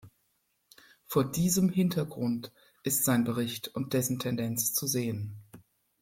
Vor diesem Hintergrund ist sein Bericht und dessen Tendenz zu sehen.